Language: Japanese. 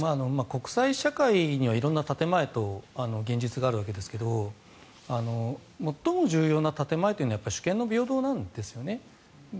国際社会には色んな建前と現実があるんですが最も重要な建前は主権の平等なんですよね。